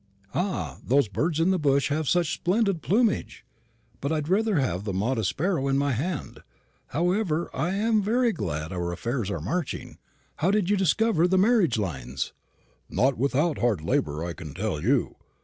"Ah, those birds in the bush have such splendid plumage! but I'd rather have the modest sparrow in my hand. However, I'm very glad our affairs are marching. How did you discover the marriage lines?" "Not without hard labour, I can tell you.